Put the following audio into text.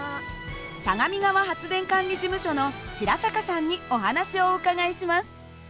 相模川発電管理事務所の白坂さんにお話をお伺いします。